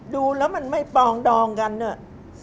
ดูแล้วมันไม่ปองดองกันเนี่ย